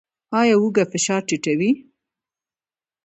ایا هوږه فشار ټیټوي؟